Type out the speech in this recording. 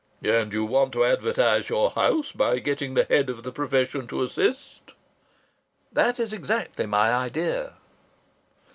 "And you want to advertise your house by getting the head of the profession to assist?" "That is exactly my idea."